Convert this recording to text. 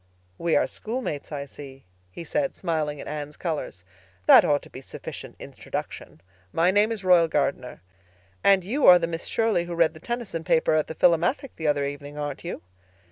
"We are schoolmates, I see," he said, smiling at Anne's colors. "That ought to be sufficient introduction. My name is Royal Gardner. And you are the Miss Shirley who read the Tennyson paper at the Philomathic the other evening, aren't you?"